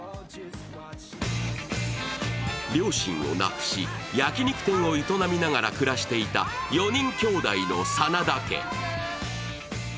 両親を亡くし、焼き肉店を営みながら暮らしていた４人兄弟の真田家。